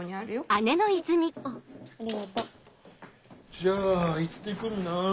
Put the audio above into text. じゃあ行って来るなぁ。